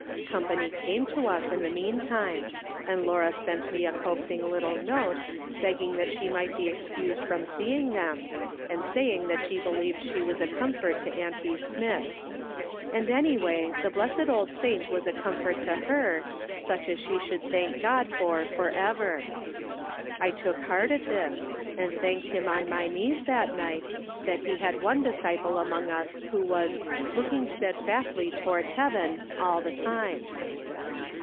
Company came to us in the meantime, and Laura sent to me a coaxing 31 b MRS. SOLOMON SMITH LOOKING ON. little note, begging that she might be excused from seeing tliem, and saying that she believed she was a comfort to auntie Smith ; and, anyway, the blessed old saint was a comfort to her, such as she should thank God for for ever. I took heart at this, and thanked him on my knees that night, that he had one disciple among us who was " looking steadfastly toward heaven" all the time.